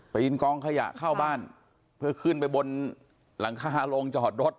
ปีนกองขยะเข้าบ้านเพื่อขึ้นไปบนหลังคาโรงจอดรถ